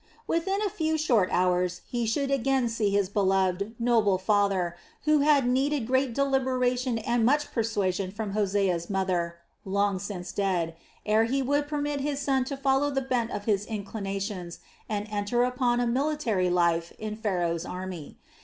Within a few short hours he should again see his beloved, noble father, who had needed great deliberation and much persuasion from Hosea's mother long since dead ere he would permit his son to follow the bent of his inclinations and enter upon a military life in Pharaoh's army.